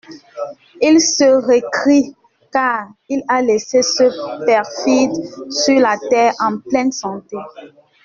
Il se récrie, car il a laissé ce perfide sur la terre en pleine santé.